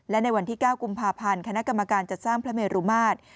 และในวันที่๙กุมภาพันธ์คณะกรรมการจัดสร้างพระเมรุมาตร